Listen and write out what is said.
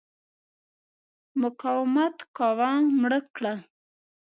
مقاومت کاوه مړه کړل.